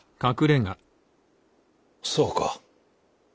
そうか。